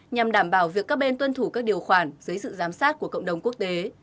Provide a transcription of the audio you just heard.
nhằm đảm bảo việc các bên tuân thủ các điều khoản dưới sự giám sát của cộng đồng quốc tế